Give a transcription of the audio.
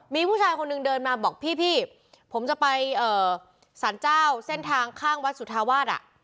มีผู้ชายคนหนึ่งเดินมาบอกพี่ผมจะไปสารเจ้าเส้นทางข้างวัดสุธาวาส